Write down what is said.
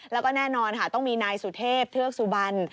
แล้วก็แน่นอนค่ะต้องมีนายสุเทพเทือกสุบัน